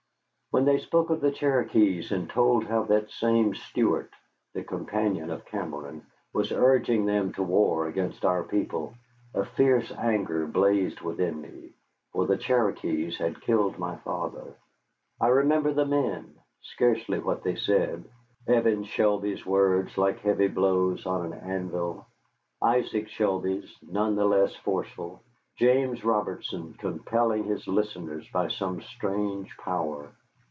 When they spoke of the Cherokees and told how that same Stuart the companion of Cameron was urging them to war against our people, a fierce anger blazed within me. For the Cherokees had killed my father. I remember the men, scarcely what they said: Evan Shelby's words, like heavy blows on an anvil; Isaac Shelby's, none the less forceful; James Robertson compelling his listeners by some strange power.